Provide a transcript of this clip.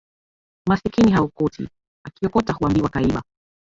Masikini haokoti, akiokota huambiwa kaiba